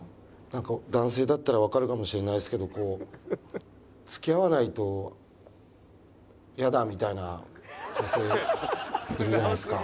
なんか男性だったらわかるかもしれないですけどこう付き合わないとイヤだみたいな女性いるじゃないですか。